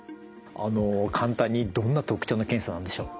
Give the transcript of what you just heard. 簡単にどんな特徴の検査なんでしょう。